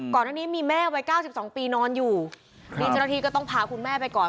ก่อนตอนนี้มีแม่วัย๙๒ปีนอนอยู่นี่เจ้าหน้าที่ก็ต้องพาคุณแม่ไปก่อน